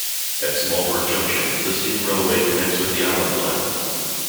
At Smallbrook Junction, the steam railway connects with the Island Line.